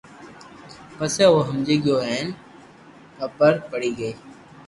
پسي او ھمجي گيو ھين خبر پڙي گئي